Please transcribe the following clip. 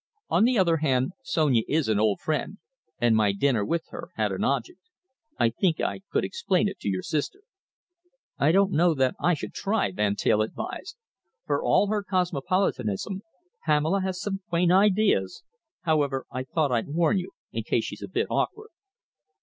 On the other hand, Sonia is an old friend, and my dinner with her had an object. I think I could explain it to your sister." "I don't know that I should try," Van Teyl advised. "For all her cosmopolitanism, Pamela has some quaint ideas. However, I thought I'd warn you, in case she's a bit awkward."